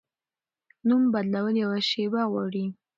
نوم بدول یوه شیبه غواړي.